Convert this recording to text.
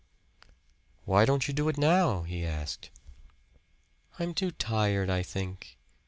"Why don't you do it now?" he asked. "I'm too tired, I think.